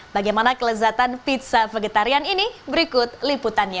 bagaimana kelezatan pizza vegetarian ini berikut liputannya